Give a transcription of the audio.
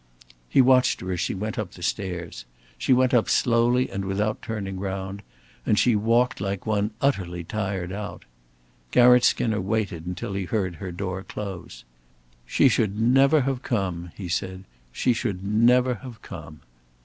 He watched her as she went up the stairs. She went up slowly and without turning round, and she walked like one utterly tired out. Garratt Skinner waited until he heard her door close. "She should never have come," he said. "She should never have come."